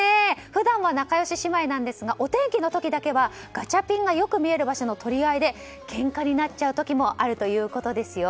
普段は仲良し姉妹ですがお天気の時だけはガチャピンがよく見える場所の取り合いでけんかになっちゃう時もあるということですよ。